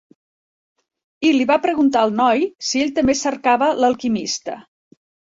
I li va preguntar al noi si ell també cercava l'alquimista.